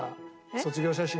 『卒業写真』